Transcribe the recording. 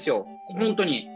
本当に。